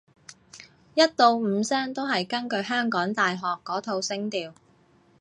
一至五聲都係根據香港大學嗰套聲調